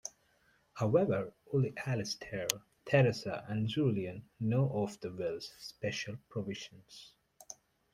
However, only Alistair, Theresa, and Julian know of the will's special provisions.